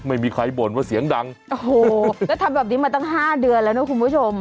ไม่มีใครบ่นว่าเสียงดังโอ้โหแล้วทำแบบนี้มาตั้งห้าเดือนแล้วนะคุณผู้ชม